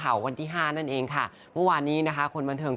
น้าตุ๋ยกับน้ารยาแข็งแรง